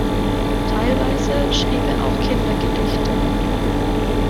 Teilweise schrieb er auch Kindergedichte.